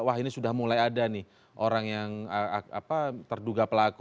wah ini sudah mulai ada nih orang yang terduga pelaku